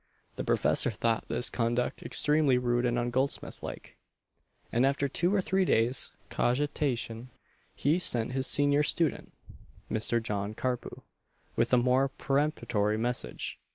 The professor thought this conduct extremely rude and ungoldsmithlike; and after two or three days' cogitation he sent his senior student, Mr. John Carpue, with a more peremptory message.